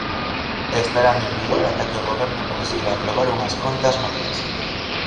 Estarán en vigor ata que o goberno consiga aprobar unhas contas novas.